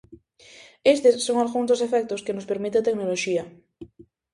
Estes son algúns dos efectos que nos permite a tecnoloxía.